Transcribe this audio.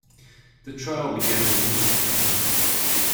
The trial began in mid-September.